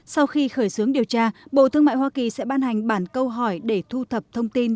sau khi khởi xướng điều tra bộ thương mại hoa kỳ sẽ ban hành bản câu hỏi để thu thập thông tin